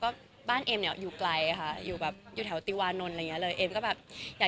ก็บอกว่าถ้ามายุ่วอคิดเนี่ยไม่ต้องจ่ายค่าเช่า